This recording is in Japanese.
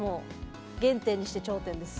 原点にして頂点です。